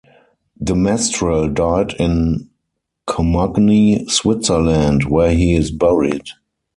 De Mestral died in Commugny, Switzerland, where he is buried.